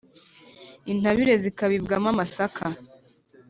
intabire zikabibwamo amasaka